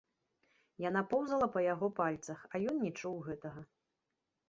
Яна поўзала па яго пальцах, а ён не чуў гэтага.